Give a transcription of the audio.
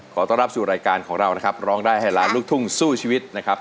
ขอต้อนรับสู่รายการของเรานะครับร้องได้ให้ล้านลูกทุ่งสู้ชีวิตนะครับ